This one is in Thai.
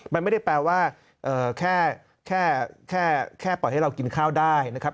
มันไม่ได้แปลว่าแค่ปล่อยให้เรากินข้าวได้นะครับ